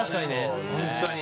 本当に。